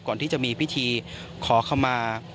ก่อนที่จะมีพิธีขอขมา